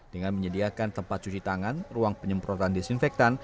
dengan menyediakan tempat cuci tangan ruang penyemprotan disinfektan